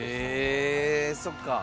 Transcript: えそっか。